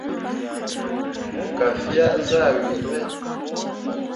Mo gah fea zah wii me.